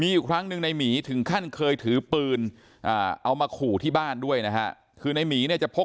ส่วนนางสุธินนะครับบอกว่าไม่เคยคาดคิดมาก่อนว่าบ้านเนี่ยจะมาถูกภารกิจนะครับ